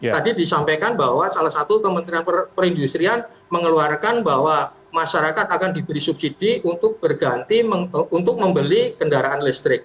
tadi disampaikan bahwa salah satu kementerian perindustrian mengeluarkan bahwa masyarakat akan diberi subsidi untuk berganti untuk membeli kendaraan listrik